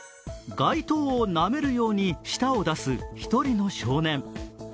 街灯をなめるように舌を出す１人の少年。